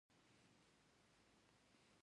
دوهم هدف د منل شوي واقعیت رامینځته کول دي